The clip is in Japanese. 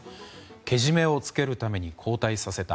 けじめをつけるために交代させた。